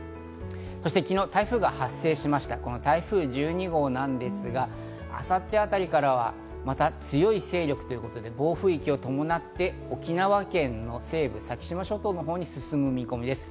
そして昨日、台風が発生しました、この台風１２号ですが、明後日あたりからはまた強い勢力ということで暴風域を伴って沖縄県の西部、先島諸島のほうに進む見込みです。